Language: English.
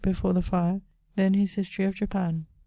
(before the fire); then his History of Japan.